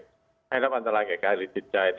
ให้รับอันตรายแก่กายหรือจิตใจ